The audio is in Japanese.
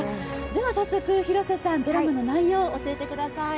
早速、広瀬さんドラマの内容、教えてください。